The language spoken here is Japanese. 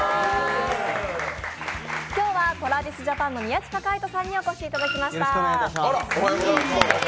今日はＴｒａｖｉｓＪａｐａｎの宮近海斗さんにお越しいただきました。